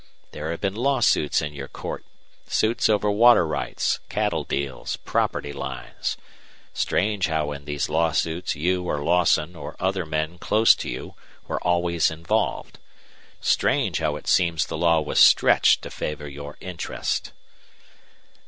There have been lawsuits in your court suits over water rights, cattle deals, property lines. Strange how in these lawsuits you or Lawson or other men close to you were always involved! Strange how it seems the law was stretched to favor your interest!"